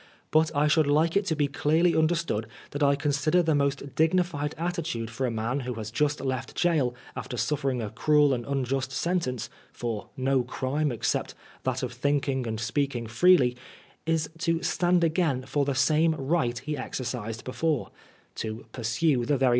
But I should like it to be clearly understood that I con sider the most dignified attitude for a man who has just left gaol after suffering a cruel and unjust sentence, for no crime except that of thinking and speaking freely, is to stand again for the same right he exercised before, to pursue the very DATUOHT.